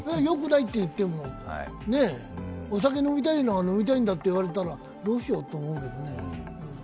よくないって言っても、お酒飲みたいのは飲みたいんだって言われたらどうしようって思うけどね。